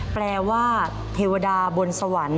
แปลว่าเทวดาบนสวรรค์